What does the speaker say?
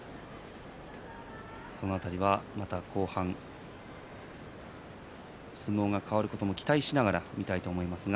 その辺りはまた後半相撲が変わることを期待しながら見たいと思います。